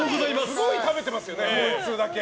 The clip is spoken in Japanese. すごい食べてますよねこいつだけ。